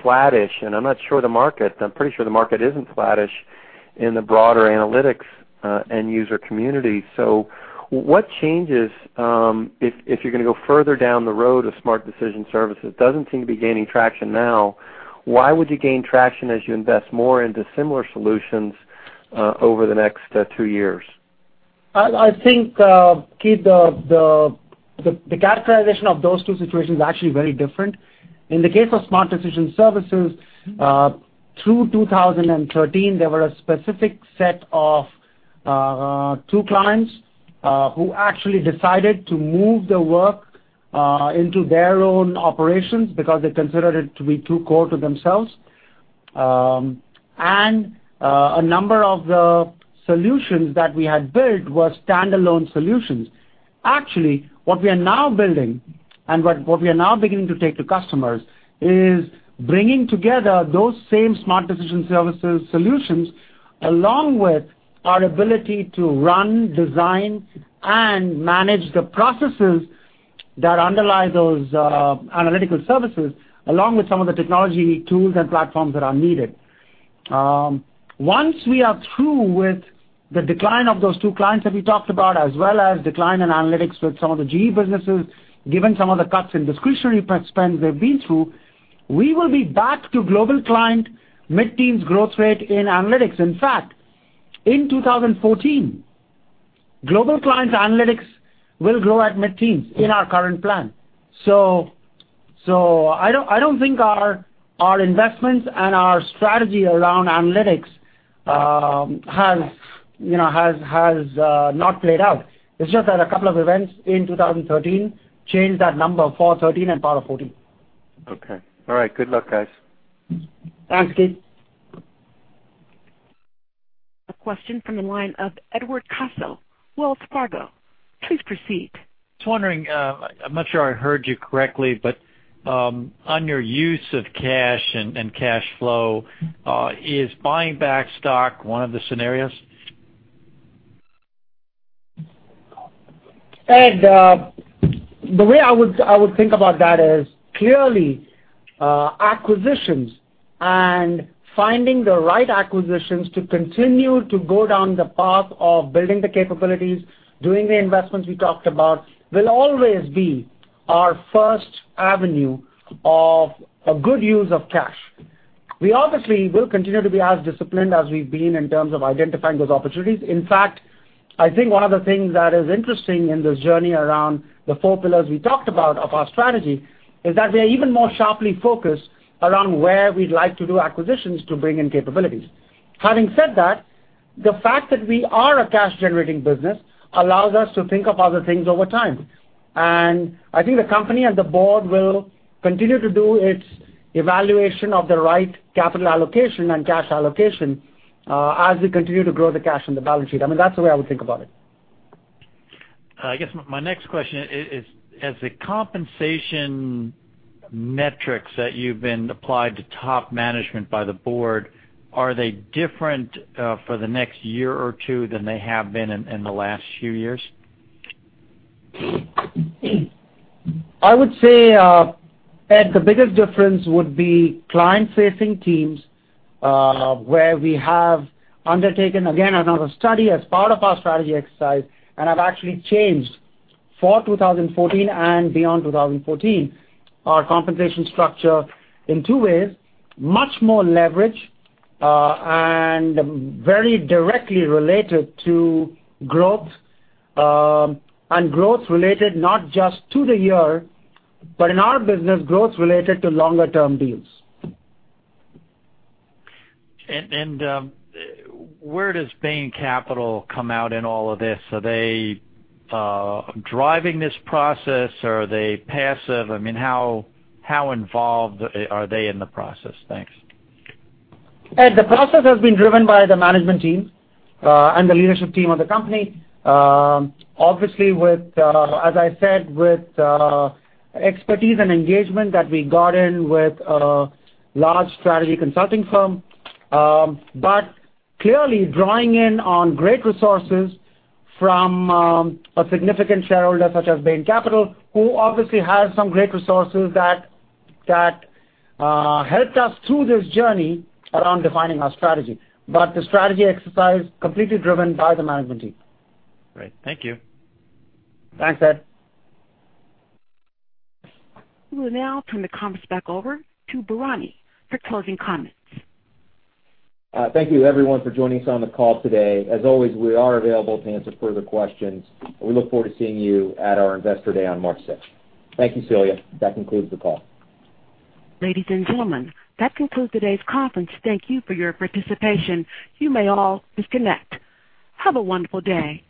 flattish, and I'm pretty sure the market isn't flattish in the broader analytics end user community. What changes, if you're going to go further down the road of Smart Decision Services? Doesn't seem to be gaining traction now. Why would you gain traction as you invest more into similar solutions over the next two years? I think, Keith, the characterization of those two situations is actually very different. In the case of Smart Decision Services, through 2013, there were a specific set of two clients who actually decided to move the work into their own operations because they considered it to be too core to themselves. A number of the solutions that we had built were standalone solutions. Actually, what we are now building and what we are now beginning to take to customers is bringing together those same Smart Decision Services solutions, along with our ability to run, design, and manage the processes that underlie those analytical services, along with some of the technology tools and platforms that are needed. Once we are through with the decline of those two clients that we talked about, as well as decline in analytics with some of the GE businesses, given some of the cuts in discretionary spend they've been through, we will be back to global client mid-teens growth rate in analytics. In fact, in 2014, global clients analytics will grow at mid-teens in our current plan. I don't think our investments and our strategy around analytics has not played out. It's just that a couple of events in 2013 changed that number for 2013 and part of 2014. Okay. All right. Good luck, guys. Thanks, Keith. A question from the line of Edward Caso, Wells Fargo. Please proceed. Just wondering, I'm not sure I heard you correctly, on your use of cash and cash flow, is buying back stock one of the scenarios? Ed, the way I would think about that is clearly, acquisitions and finding the right acquisitions to continue to go down the path of building the capabilities, doing the investments we talked about, will always be our first avenue of a good use of cash. We obviously will continue to be as disciplined as we've been in terms of identifying those opportunities. In fact, I think one of the things that is interesting in this journey around the four pillars we talked about of our strategy is that we are even more sharply focused around where we'd like to do acquisitions to bring in capabilities. Having said that, the fact that we are a cash-generating business allows us to think of other things over time, and I think the company and the board will continue to do its evaluation of the right capital allocation and cash allocation, as we continue to grow the cash on the balance sheet. I mean, that's the way I would think about it. I guess my next question is, as the compensation metrics that you've been applied to top management by the board, are they different for the next year or two than they have been in the last few years? I would say, Ed, the biggest difference would be client-facing teams, where we have undertaken, again, another study as part of our strategy exercise and have actually changed, for 2014 and beyond 2014, our compensation structure in two ways: much more leverage, and very directly related to growth, and growth-related not just to the year, but in our business, growth-related to longer-term deals. Where does Bain Capital come out in all of this? Are they driving this process or are they passive? How involved are they in the process? Thanks. Ed, the process has been driven by the management team, and the leadership team of the company. Obviously, as I said, with expertise and engagement that we got in with a large strategy consulting firm. Clearly drawing in on great resources from a significant shareholder such as Bain Capital, who obviously has some great resources that helped us through this journey around defining our strategy. The strategy exercise, completely driven by the management team. Great. Thank you. Thanks, Ed. We will now turn the conference back over to Bharani for closing comments. Thank you everyone for joining us on the call today. As always, we are available to answer further questions, and we look forward to seeing you at our Investor Day on March 6th. Thank you, Celia. That concludes the call. Ladies and gentlemen, that concludes today's conference. Thank you for your participation. You may all disconnect. Have a wonderful day.